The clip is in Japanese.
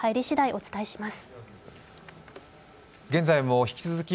お伝えします。